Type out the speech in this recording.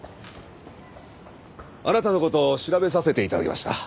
あなたの事調べさせて頂きました。